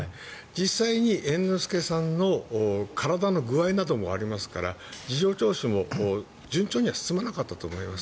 実際に猿之助さんの体の具合などもありますから事情聴取も順調には進まなかったと思います。